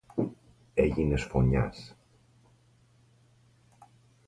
Έγινες φονιάς!